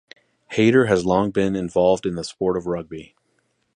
Haider has long been involved in the sport of rugby.